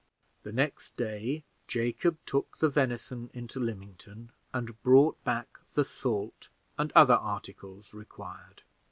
The next day Jacob took the venison into Lymington, and brought back the salt and other articles required.